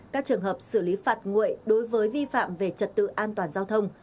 các trường hợp xử lý phạt nguội đối với vi phạm về trật tự an toàn giao thông